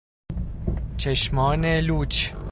چشمان لوچ